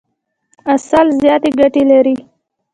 عسل زیاتي ګټي لري.